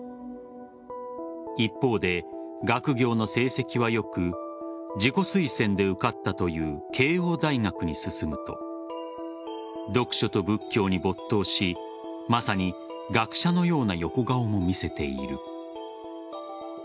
一方で学業の成績は良く自己推薦で受かったという慶應大学に進むと読書と仏教に没頭しまさに学者のような横顔も見せている。